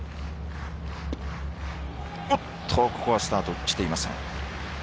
ここはスタートしていません。